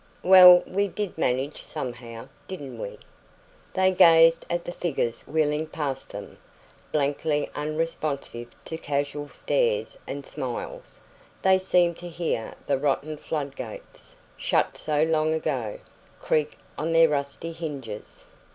"Well, we did manage somehow, didn't we?" They gazed at the figures wheeling past them, blankly unresponsive to casual stares and smiles. They seemed to hear the rotten flood gates, shut so long ago, creak on their rusty hinges.